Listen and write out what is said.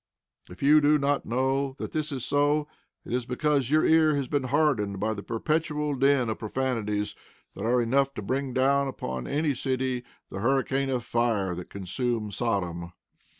If you do not know that this is so, it is because your ear has been hardened by the perpetual din of profanities that are enough to bring down upon any city the hurricane of fire that consumed Sodom.